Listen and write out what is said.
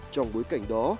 trong bối cảnh đó